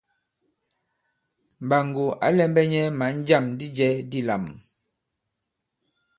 Mɓàŋgò ǎ lɛ̄mbɛ̄ nyɛ̄ mǎn jâm di jɛ̄ dilām.